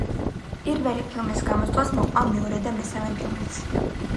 პირველი ფილმის გამოსვლას მოჰყვა მეორე და მესამე ფილმიც.